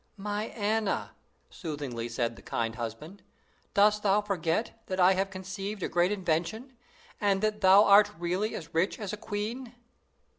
"My Anna," soothingly said the kind husband, "dost thou forget that I have conceived a great invention, and that thou art really as rich as a queen?"